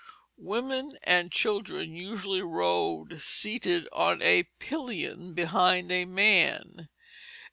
Women and children usually rode seated on a pillion behind a man.